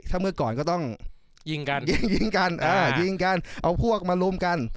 ถ้าเมื่อก่อนก็ต้องยิงกันเอาพวกมาลุมกัน